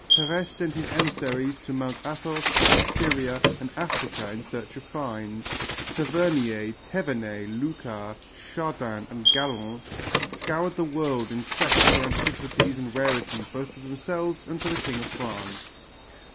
Peiresse sent his emissaries to Mount Athos, Syria and Africa in search of finds, Tavernier, Thévenet, Lucas, Chardin and Gallant scoured the world in quest of antiquities and rarities both for themselves and for the King of France.